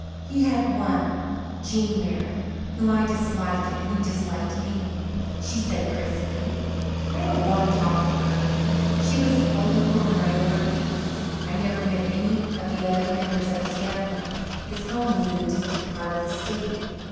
"He had one Jean Merritt whom I disliked and who disliked me," she said crisply. "I don't want to talk of her she was the only woman I ever hated. I never met any of the other members of his family his home was in a distant part of the state."